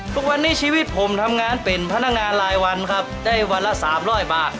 ทุกวันนี้ชีวิตผมทำงานเป็นพนักงานรายวันครับได้วันละ๓๐๐บาท